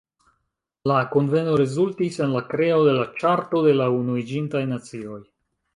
La kunveno rezultis en la kreo de la Ĉarto de la Unuiĝintaj Nacioj.